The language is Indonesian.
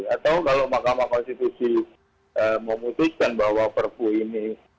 atau kalau mahkamah konstitusi memutuskan bahwa perpu ini